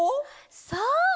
そう！